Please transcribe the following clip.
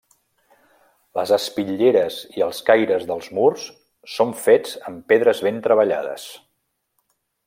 Les espitlleres i els caires dels murs són fets amb pedres ben treballades.